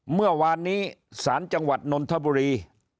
เมื่อวานนี้ศาลจังหวัดนนทบุรี